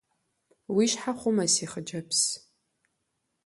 Уи щхьэ хъумэ, си хъыджэбз.